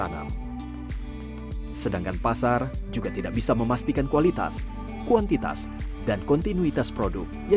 tanam sedangkan pasar juga tidak bisa memastikan kualitas kuantitas dan kontinuitas produk yang